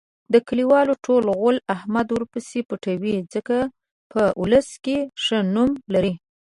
د کلیوالو ټول غول احمد ورپسې پټوي. ځکه په اولس کې ښه نوم لري.